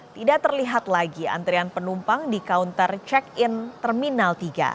tidak terlihat lagi antrian penumpang di counter check in terminal tiga